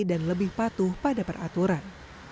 dan lebih patuh pada peraturan